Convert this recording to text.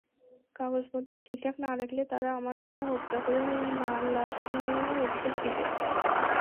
কাগজপত্র ঠিকঠাক না রাখলে, তারা আমার নামে হত্যা করে লাশ গুমের অভিযোগ দিবে।